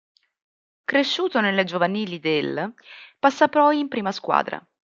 Cresciuto nelle giovanili del passa poi in prima squadra.